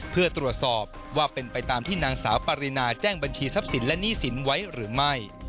เพื่อตรวจสอบว่าเป็นไปตามที่นางสาวปรินาแจ้งบัญชีทรัพย์สินและหนี้สินไว้หรือไม่